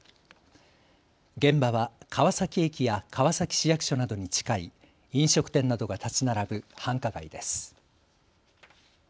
現場は川崎駅や川崎市役所などに近い飲食店などが建ち並ぶ繁華街です。